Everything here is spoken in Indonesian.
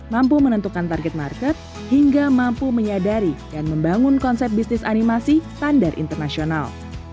mampu menentukan target market hingga mampu menyadari dan membangun konsep bisnis animasi standar internasional